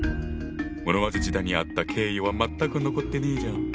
室町時代にあった敬意は全く残ってねえじゃん！